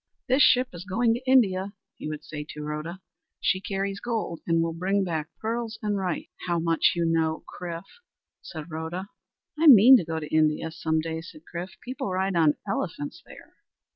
"This ship is going to India," he would say to Rhoda. "She carries gold and will bring back pearls and rice." "How much you know, Chrif," said Rhoda. "I mean to go to India some day," said Chrif. "People ride on elephants there."